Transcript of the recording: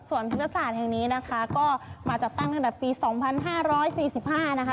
สวนธุรกิจแห่งนี้นะคะก็มาจากตั้งตั้งแต่ปี๒๕๔๕นะคะ